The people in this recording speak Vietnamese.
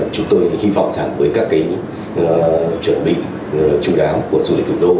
chúng tôi hy vọng rằng với các chuẩn bị chú đáo của du lịch